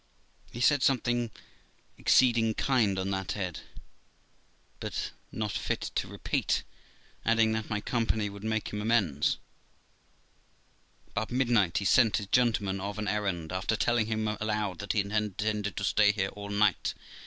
He said something exceeding kind on that head, but not fit to repeat, adding that my company would make him amends. About midnight he sent his gentleman of an errand, after telling him aloud that he intended to stay here all night.